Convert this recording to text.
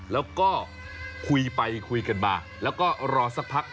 แล้วก็คุยไปคุยกันมาแล้วก็รอสักพัก